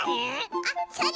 あっそれ！